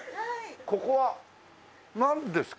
ここはなんですか？